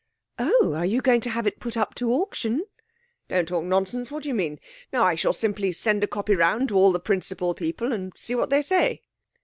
'Oh! Are you going to have it put up to auction?' 'Don't talk nonsense. What do you mean? No, I shall simply send a copy round to all the principal people and see what they say.'